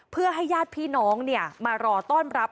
เพื่อให้ญาติพี่น้องมารอต้อนรับ